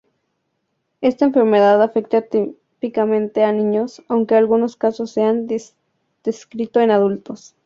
Esta enfermedad afecta típicamente a niños, aunque algunos casos se han descrito en adultos.